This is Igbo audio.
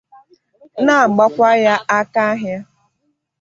na-agbakwa ya aka ahịa